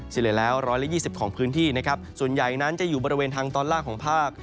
เฉลี่ยแล้ว๑๒๐ของพื้นที่นะครับส่วนใหญ่นั้นจะอยู่บริเวณทางตอนล่างของภาค